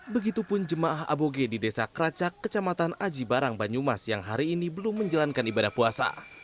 begitupun jemaah aboge di desa keracak kecamatan aji barang banyumas yang hari ini belum menjalankan ibadah puasa